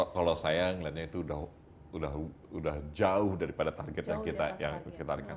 kalau saya melihatnya itu sudah jauh daripada target yang kita targetkan